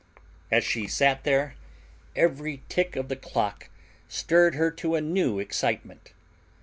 As she sat there every tick of the clock stirred her to a new excitement.